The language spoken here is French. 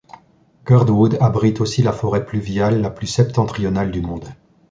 Girdwood abrite aussi la forêt pluviale la plus septentrionale du monde.